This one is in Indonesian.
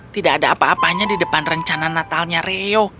tidak ada apa apanya di depan rencana natalnya reo